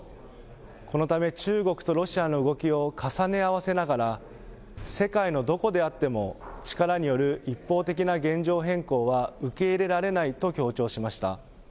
このため中国とロシアの動きを重ね合わせながら、世界のどこであっても、力による一方的な現状変更は受け入れられないと強調しました。